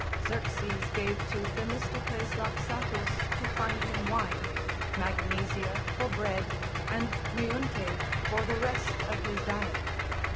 Xerxes gave to Themistocles Lampsacus to find him wine, Magnesia for bread, and Myunte for the rest of his diet.